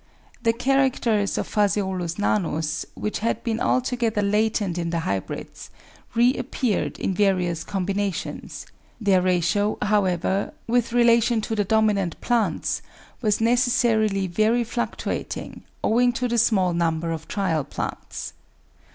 The characters of Ph. nanus, which had been altogether latent in the hybrids, reappeared in various combinations; their ratio, however, with relation to the dominant plants was neces sarily very fluctuating owing to the small number of trial plants.